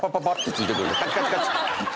カチカチカチ。